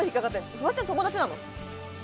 フワちゃん友達なの？